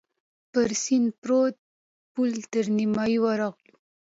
پر سیند پروت پل تر نیمايي ورغلو.